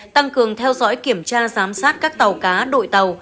tăng cường theo dõi kiểm tra giám sát các tàu cá đội tàu